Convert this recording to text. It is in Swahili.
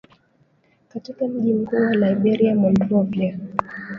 katika mji mkuu wa Liberia Monrovia